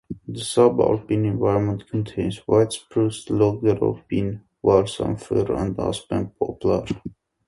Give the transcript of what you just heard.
The sub-alpine environment contains white spruce, lodgepole pine, balsam fir and aspen poplar.